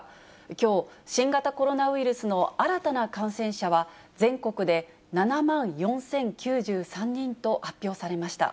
きょう、新型コロナウイルスの新たな感染者は、全国で７万４０９３人と発表されました。